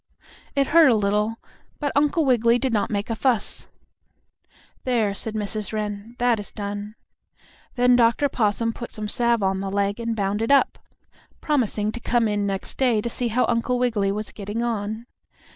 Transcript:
It hurt a little, but Uncle Wiggily did not make a fuss. "There," said Mrs. Wren, "that is done." Then Dr. Possum put some salve on the leg and bound it up, promising to come in next day to see how Uncle Wiggily was getting on.